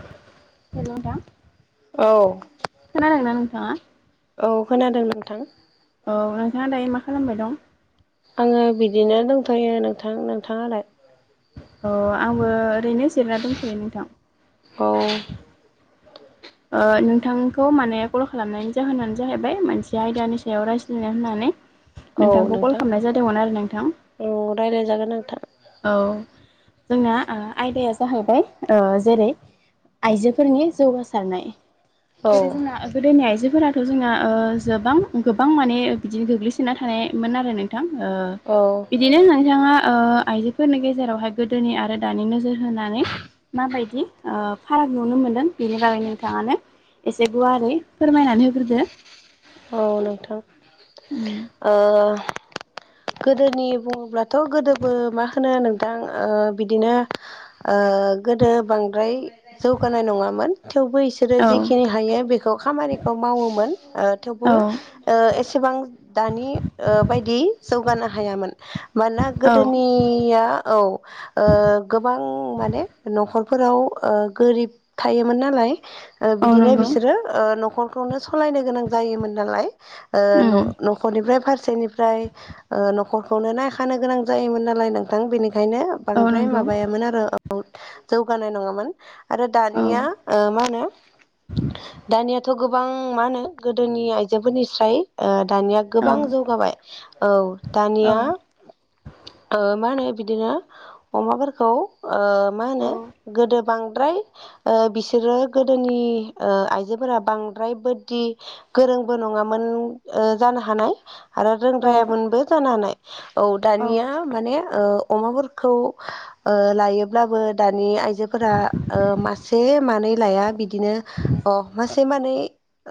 हेल' नोंथां औ खोनादोंना नोंथाङा औ खोनादों नोंथां औ नोंथाङा दायो मा खालामबाय दं आङो बिदिनो दंथ'यो नोंथां नोंथाङालाय अ आंबो ओरैनो जिरायना दंथ'यो नोंथां औ नोंथांखौ माने कल खालामनायनि जाहोनानो जाहैबाय मोनसे आयदानि सायाव रायज्लायनो होननानै औ नोंथांखौ कल नोंथां खालामनाय जादोंमोन आरो नोंथां औ रायज्लायजागोन नोंथां औ जोंना आयदाया जाहैबाय जेरै आइजोफोरनि जौगासारनाय औ जेरै जोंना गोदोनि आइजोफोराथ' जोंना गोबां गोबां माने बिदिनो गोग्लैसोना थानायमोन आरो नों औ बिदिनो नोंथाङा आइजोफोरनि गेजेरावहाय गोदोनि आरो दानि नोजोर होनानै माबायदि फाराग नुनो मोनदों बेनि बागै नोंथाङानो एसे गुवारै फोरमायनानै होग्रोदो औ नोंथां उम गोदोनि बुङोब्लाथ' गोदोबो मा होनो नोंथां बिदिनो गोदो बांद्राय जौगानाय नङामोन थेवबो बिसोरो औ जिखिनि हायो बे खौ खामानिखौ मावोमोन थेवबो औ एसेबां दानि बायदि जौगानो हायामोन मानोना औ गोदोनिया औ गोबां माने न'खरफोराव गोरिब थायोमोन नालाय औ बिदिनो नंगौ बिसोरो न'खरखौनो सालायनो गोनां जायोमोन नालाय उम न'खरनिफ्राय फारसेनिफ्राय न'खरखौनो नायखानो गोनां जायोमोन नालाय नोंथां बेनिखायनो औ बांद्राय नंगौ माबायामोन आरो जौगानाय नङामोन आरो औ दानिया मा होनो दानियाथ' गोबां मा होनो गोदोनि आइजोफोरनिस्राय दानिया औ गोबां जौगाबाय औ औ दानिया मा होनो बिदिनो अमाफोरखौ मा होनो औ गोदो बांद्राय बिसोरो गोदोनि आइजोफोरा बांद्राय बोददि गोरोंबो नङामोन जानो हानाय आरो औ रोंद्रायामोनबो जानो हानाय औ औ दानिया माने अमाफोरखौ लायोब्लाबो दानि आइजोफोरा मासे मानै लाया बिदि बिदिनो अ मासे मानै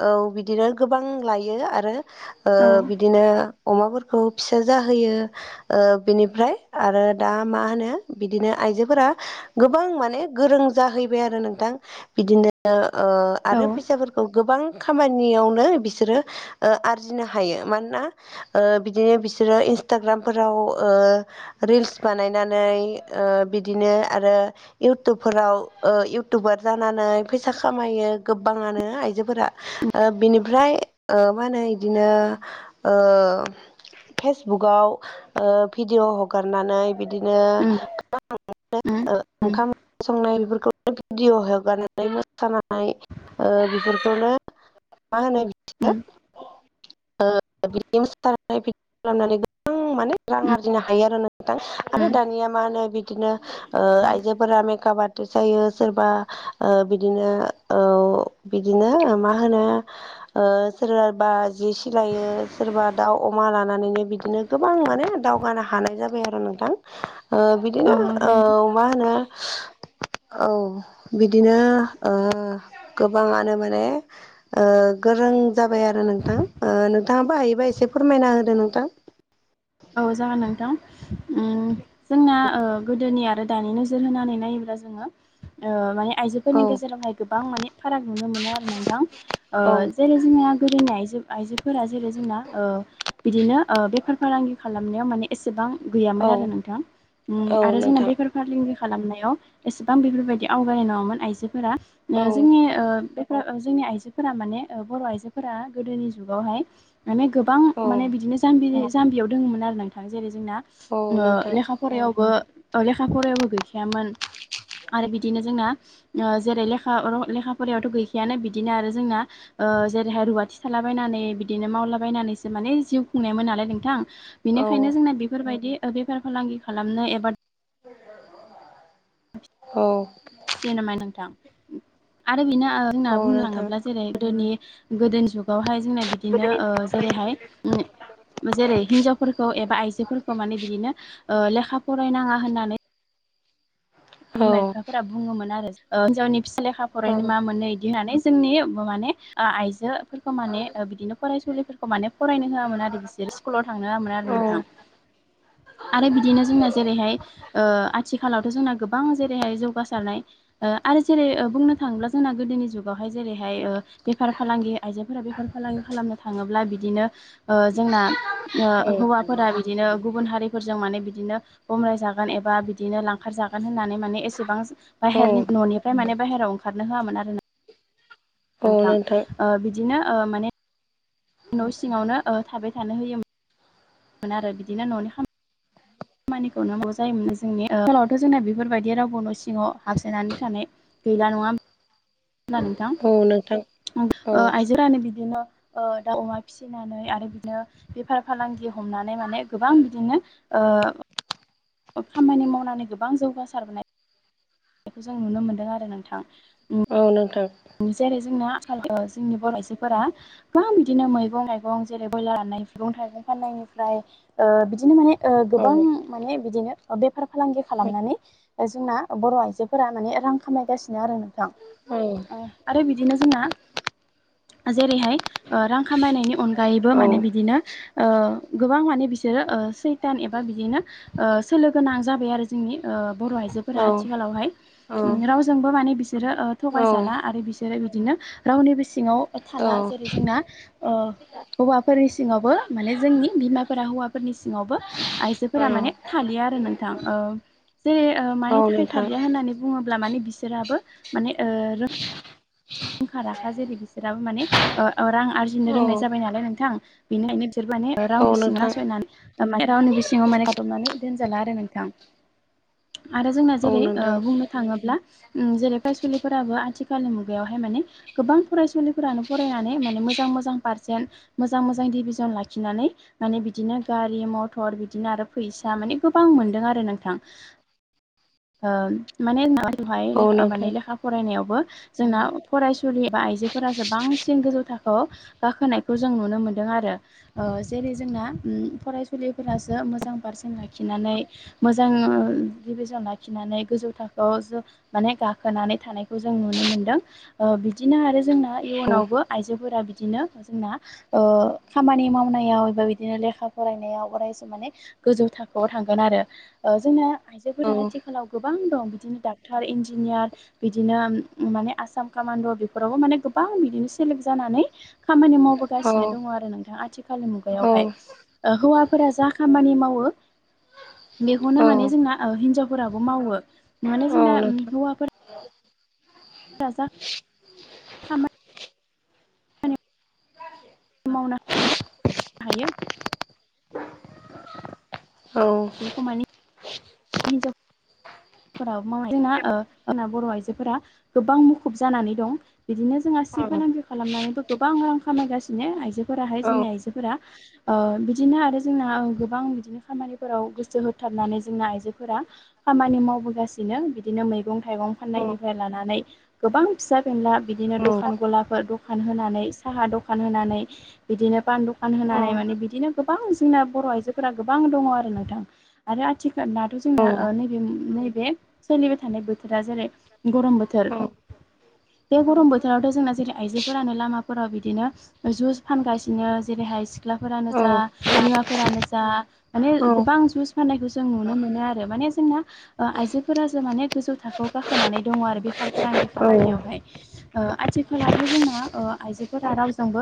औ बिदिनो गोबां लायो आरो औ बिदिनो अमाफोरखौ फिसा जाहोयो बिनिफ्राय आरो दा मा होनो बिदिनो आइजोफोरा गोबां माने गोरों जाहैबाय आरो नोंथां बिदिनो औ आरो फैसाफोरखौ गोबां खामानियावनो बिसोरो आरजिनो हायो मानोना बिदिनो बिसोरो इन्सटाग्रामफोराव रिल्स बानायनानै बिदिनो आरो इउटुबफोराव इउटुबार जानानै फैसा खामायो गोबाङानो आइजोफोरा बिनिफ्राय मा होनो बिदिनो फेसबुकआव भिडिय' हगारनानै बिदिनो उम गोबां उम उम ओंखाम ओंख्रि संनाय बेफोरखौ भिडिअ' हगारनानै मोसानानै बेफोरखौनो मा होनो उम बिदि बिदिखौ खालामनानै माने रां आरजिनो हायो आरो नोंथां आरो उम दानिया मा होनो बिदिनो आइजोफोरा मेकाप आर्टिस् जायो सोरबा बिदिनो बिदिनो मा होनो सोरबाबा जि सिलायो सोरबा दाउ अमा लानानैनो बिदिनो गोबां माने दावगानो हानाय जाबाय आरो नोंथां औ बिदिनो नंगौ मा होनो औ बिदिनो गोबाङानो माने गोरों जाबाय आरो नोंथां नोंथाङा बाहायोबा एसे फोरमायना होदो नोंथां औ जागोन नोंथां जोंना गोदोनि आरो दानि नोजोर होनानै नायोब्ला जोङो माने औ आइजोफोरनि गेजेरावहाय गोबां माने फाराग नुनो मोनो आरो नोंथां औ जेरै जोंना गोदोनि आइ आइजोफोरा जेरै जोंना बिदिनो बेफार फालांगि माने एसेबां गैयामोन औ आरो नोंथां औ आरो जोंना नोंथां बेफार फालांगि फालांगि खालामनायाव एसेबां बेफोरबायदि आवगायनाय नङामोन आइजोफोरा औ जोंनि जोंनि आइजोफोरा माने बर' आइजोफोरा गोदोनि जुगावहाय माने गोबां औ माने बिदिनो जाम्बि जाम्बियाव दङमोन आरो नोंथां जेरै जोंना औ नोंथां लेखा फरायावबो लेखा फरायावबो गैखायामोन आरो बिदिनो जोंना जेरै लेखा लेखा फरायावथ' गैखायानो बिदिनो आरो जोंना जेरैहाय रुवाथि थालाबायनानै बिदिनो मावलाबायनानैसो माने जिउ खुंनायमोन नालाय नोंथां औ बिनिखायनो जोंना बेफोरबायदि बेफार फालांगि खालामनो एबा औ नोंथां आरो बेनो आंना औ बुंनो नोंथां थाङोब्ला जेरै गोदोनि गोदोनि जुगावहाय जोंना बिदिनो जेरैहाय जेरै हिनजावफोरखौ एबा आइजोफोरखौ माने बिदिनो लेखा फरायनाङा होननानै औ बिमा बिफाफोरा बुङोमोन आरो हिनजावनि फिसाया लेखा फरायनानै औ मा मोननो बिदि होननानै जोंनि माने आइजोफोरखौ माने बिदिनो फरायसुलिफोरखौ माने फरायनो होआमोन आरो बिसोर स्कुलाव थांनो होआमोन आरो औ नोंथां आरो बिदिनो जोंना जेरैहाय आथिखालावथ' जोंना गोबां गोबां जेरैहाय जौगासारनाय आरो जेरै बुंनो थाङोब्ला जोंना गोदोनि जुगावहाय जेरैहाय बेफार फालांगि आइजो फोर बेफार फालांगि खालामनो थाङोब्ला बिदिनो जोंना हौवाफोरा बिदिनो गुबुन हारि फोरजों माने बिदिनो बमब्राय जागोन एबा बिदिनो लांखार जागोन होननानै माने एसेबां औ बाहेरनि न'निफ्राय माने बाहेराव ओंखारनो होआमोनोन आरो ना नोंथां बिदिनो माने न' सिङावनो थाबाय थानो होयोमोन मोन आरो बिदिनो न'नि खाम खामानिखौनो मावनांगौ जायोमोन जोंनि ओनसोलावथ' जोंना बेफोरबायदि रावबो न' सिङाव हाबसोनानै थानाय गैला नङा होमबा होनबा नोंथां औ आयजो फोरानो बिदिनो दाउ अमा फि फिनानै आरो बिदिनो बेफार फालांगि हमनानै माने गोबां बिदिनो खामानि मावनानै गोबां जौगासारबोनाय बेखौ जों नुनो मोन्दों आरो नोंथां औ नोंथां जेरै जोंना आखाल जोंनि बर' आजोफोरा गोबां बिदिनो मैगं थाइगं जेरै ब्रयलार राननाय मैगं थाइगं फाननायनिफ्राय बिदिनो माने औ गोबां माने बिदिनो बेफार फालांगि खालामनानै जोंना बर' आइजोफोरा माने रां खामायगासिनो आरो नोंथां औ आरो बिदिनो जोंना जेरैहाय रां खामायनायनि अनगायैबो औ माने बिदिनो गोबां माने बिसोरो सैथान एबा बिदिनो सोलो गोनां जाबाय आरो जोंनि बर' आइजोफोरा आथिखालावहाय रावजोंबो मान बिसोरो थखाय जाला आरो बिसोरो बिदिनो रावनिबो सिङाव औ थाला जेरै जोंना हौवाफोरनि सिङावबो माने जोंनि बिमाफोरा हौवाफोरनि सिङावबो आइजोफोरा माने थालिया आरो नोंथां जेरै औ मानि थाखाय नोंथां थालिया होननानै बुङोब्ला माने बिसोराबो रोंखा राखा जेरै बिसोराबो माने रां औ आरजिनो रोंनाय जाबाय नालाय नोंथां बेनिखायनो बिसोर माने औ रावनिबो सिङाव नोंथां नासयनानै रावनिबो सिङाव माने गादबनानै दोनजाला आरो नोंथां आरो जोंना औ नोंथां औ जेरै नोंथां बुंनो थाङोब्ला जेरै फरायसुलिफोराबो आथिखालनि मुगायाव हाय माने गोबां फरायसुलिफोरानो फरायनानै माने मोजां मोजां पारसेन्ट मोजां मोजां डिभिजन लाखिनानै माने बिदिनो गारि मथर बिदिनो आरो फैसा माने गोबां मोनदों आरो नोंथां माने औ नोंथां औ औ बेवहाय औ माने लेखा फरायनायावबो जोंना फरायसुलि बा आइजोफोरासो बांसिन गोजौ थाखोआव गाखोनायखौ जों नुनो मोन्दों आरो जेरै जोंना फरायसुलिफोरासो मोजां पारसेन्ट लाखिनानै मोजां डिभिजन लाखिनानै गोजौ थाखोआव जा माने गाखोनानै थानायखौ जों नुनो मोनदों बिदिनो आरो जोंना औ इयुनावबो आइजोफोरा बिदिनो जोंना खामानि मावनायाव एबा बिदिनो लेखा फरायनायाव अरायसम माने गोजौ थाखोआव थांगोन आरो जोंना आइजोफोरा बिसोरो जेबो आथिखालाव गोबां दं बिदिनो डाक्टर इन्जिनियार बिदिनो माने आसाम कामानद बेफोरावबो माने गोबां बिदिनो सेलेक् जानानै खामानि माव गासिनो रोङा दङ आरो नोंथाङा आथिखालनि मुगायावहाय हौवाफोरा जा खामानि मावो बेखौनो माने जोंना हिनजावफोराबो मावो माने जोंना रां खामायो मावनो हायो बेखौ मानि हिनजावाव मा जोंना जोंना बर' आइजोफोरा गोबां मुखुब जानानै दं बिदिनो जों आसि फालांगि खालामनानैबो गोबां रां खामायगासिनो आइजोफोराहाय जोंनि आइजोफोरा बिदिनो आरो जोंना गोबां बिदिनो खामानिफोराव गोसो होथारनानै जोंना आइजो फोर खामानि मावबोगासिनो बिदिनो मैगं थाइगं फाननायनिफ्राय लानानै गोबां फिसा बेनला बिदिनो दखान गलाफोर दखान होनानै साहा दखान होनानै बिदिनो बान दखान होनानै माने बिदिनो गोबां जोंना बर' आइजोफोरा गोबां दङ आरो नोंथां आरो आथिखाल थ जोंना नैे नैबे सोलिबाय थानाय बोथोरा जेरै गरम बोथोर बे गरम बोथोरावथ' जोंना जेरै आइजोफोरानो लामाफोराव बिदिनो जुस फानगासिनो जेरैहाय सिख्लाफोरानो जा बिमाफोरानो जा माने गोबां जुइस फाननायखौ जों नुनो मोनो माने जोंना आइजोफोरा माने गोजौ थाखोआव गाखोनानै दङ आरो बेफार फालांगि खालामनायावहाय आथिखालावहाय जोंना आइजोफोरा रावजोंबो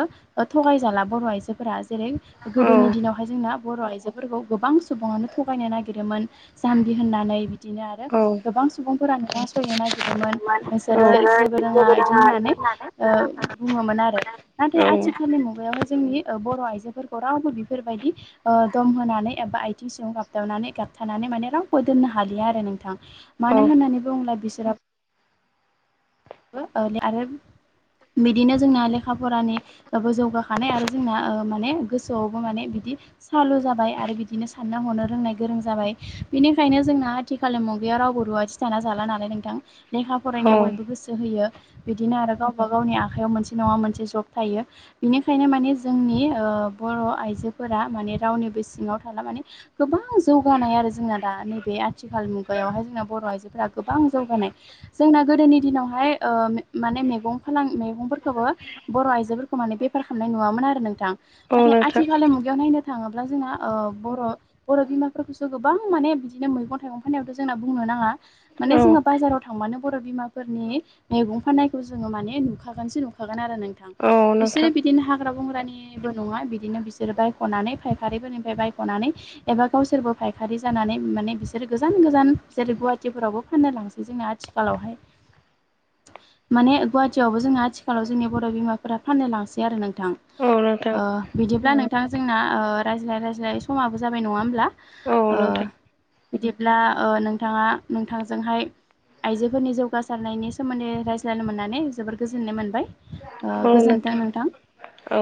थगायजाला बर' आइजोफोरा जेरै गोदोनि दिनावहाय जोंना बर' आइजोफोरखौ गोबां सुबुङानो थगायनो नागिरोमोन जाम्बि होननानै बिदिनो आरो गोबां सुबुंफोरा नासयनो नागिरोमोन नोंसोरो जेबो रोङा बिदि होननानै बुङोमोन आरो नाथाय होननानै औ आथिखालनि मुगायावहाय जोंनि बर' आइजोफोरखौ रावबो बेफोरबायदि दम होनानै एबा आइथिं सिङाव गाबदावनानै गाबथानानै माने रावबो दोननो हालिया आरो नोंथां औ मानो होननानै बुङोबला बिसोरो आरो बिदिनो जोंना लेखा फरानि बो जौगाखानाय आरो जोंना माने गोसोआवबो माने बिदि सालु जाबाय आरो बिदिनो सानना हनो रोंनाय गोरों जाबाय बेनिखायनो जोंना आथिखालनि मुगायाव रावबो रुवाथि थाना जााला नालाय नोंथां लेखा औ फरायनायाव बयबो गोसो होयो बिदिनो आरो गावबा गावनि आखायाव मोनसे नङा मोनसे जब थायो बिनिखायनो माने जोंनि बर' आइजोफोरा माने रावनिबो सिङाव थाला माने गोबां जौगानाय आरो जोंना दा नैबे आथिखाल मुगायावहाय जोंना बर' आइजोफोरा गोबां जौगानाय जोंना गोदोनि दिनावहाय माने मैगं फालां मैगंफोरखौबो बर' आइजोफोरखौ माने बेफार खालामनाय नुवामोन आरो नोंथां औ नाथाय नोंथां आथिखालनि मुगायाव नायनो थाङोब्ला जोंना बर' बर' बिमाफोरखौसो गोबां माने बिदिनो मैगं थाइगं फाननायावथ' जोंना बुंनो नाङा माने औ जोङो बाजाराव थांबानो बर' बिमाफोरनि मैगं फाननायखौ जोङो माने नुखागोनसो नुखागोन आरो नोंथां औ बिसोरो नोंथां बिदिनो हाग्रा बंग्रानिबो नङा बिदिनो बिसोर बायख'नानै फायखारिफोरनिफ्राय बायख'नानै एबा गावसोरबो फायखारि जानानै माने बिसोर गोजान गोजान बिसोर गुवाहाटिफोरावबो फाननो लांसै जोंना आथिखालावहाय माने गुवाहाटियावबो जोंहा आथिखालाव जोंनि बर' बिमाफोरा फाननो लांसै आरो नोंथां औ नोंथां बिदिब्ला नोंथां जोंना रायज्लाय रायज्लाय समाबो जाबाय नङा होमब्ला औ ओ नोंथां बिदिब्ला नोंथाङा नोंथांजोंहाय आइजोफोरनि जौगासारनायनि सोमोन्दै रायज्लायनो मोननानै जोबोर गोजोननाय मोनबाय औ नोंथां औ